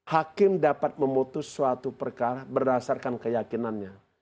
hakim dapat memutus suatu perkara berdasarkan keyakinannya